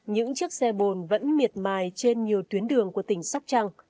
những chiếc xe bồn vẫn miệt mài trên nhiều tuyến đường của tỉnh sóc trăng